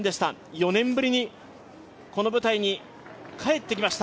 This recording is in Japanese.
４年ぶりにこの舞台に帰ってきました。